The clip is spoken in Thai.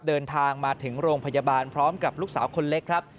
เดินทางมาถึงโรงพยาบาลพร้อมกับลูกสาวคนเล็กครับ